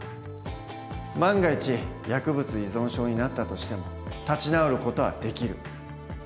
万が一薬物依存症になったとしても立ち直る事はできる。